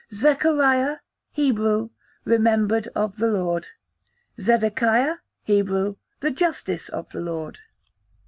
Zechariah, Hebrew, remembered of the Lord. Zedekiah, Hebrew, the justice of the Lord.